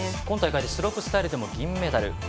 今大会スロープスタイルでも銀メダル。